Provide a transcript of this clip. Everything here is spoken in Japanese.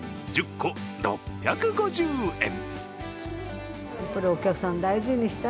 １０個６５０円。